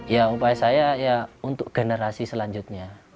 ya upaya saya ya untuk generasi selanjutnya